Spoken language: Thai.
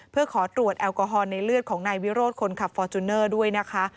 เพื่อขอตรวจแอลกอฮอลในเลือดของนายวิโรธคนขับฟอร์จูเนอร์ด้วยนะคะ